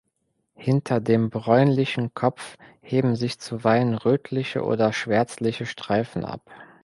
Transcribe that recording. Hinter dem bräunlichen Kopf heben sich zuweilen rötliche oder schwärzliche Streifen ab.